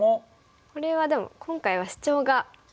これはでも今回はシチョウがいいですね。